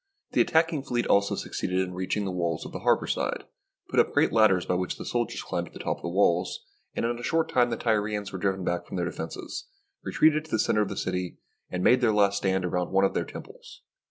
The attacking fleet also succeeded in reaching the walls of the harbour side, put up great ladders by which the soldiers climbed to the top of the walls, and in a short time the Tyrians were driven back from their defences, retreated to the centre of the city, and made their last stand around one of their temples.